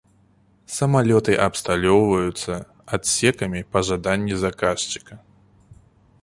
Самалёты абсталёўвацца адсекамі па жаданні заказчыка.